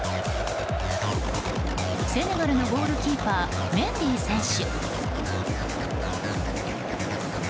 セネガルのゴールキーパーメンディ選手。